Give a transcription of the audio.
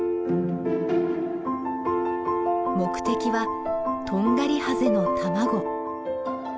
目的はトンガリハゼの卵。